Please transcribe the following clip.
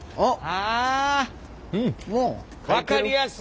あ分かりやすい！